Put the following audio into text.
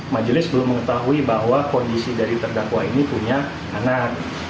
majelis belum mengetahui bahwa kondisi dari terdakwa ini punya anak